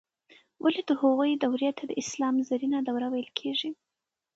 ولې د هغوی دورې ته د اسلام زرینه دوره ویل کیږي؟